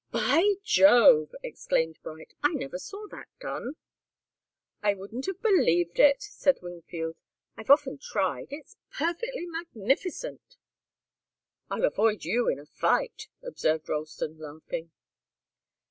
"By Jove!" exclaimed Bright. "I never saw that done." "I wouldn't have believed it," said Wingfield. "I've often tried. It's perfectly magnificent!" "I'll avoid you in a fight," observed Ralston, laughing.